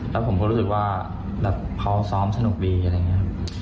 แล้วผมก็รู้สึกว่าแบบเขาซ้อมสนุกดีอะไรอย่างนี้